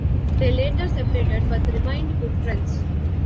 They later separated but remained good friends.